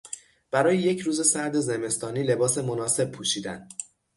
برای یک روز سرد زمستانی لباس مناسب پوشیدن